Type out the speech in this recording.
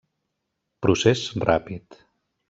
Procés ràpid.